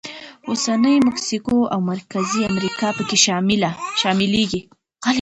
اوسنۍ مکسیکو او مرکزي امریکا پکې شاملېږي.